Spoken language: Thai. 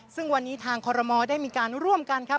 ซึ่งวันนี้ทางคอรมอลได้มีการร่วมกันครับ